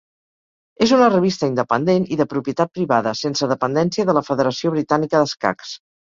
És una revista independent i de propietat privada, sense dependència de la Federació Britànica d'Escacs.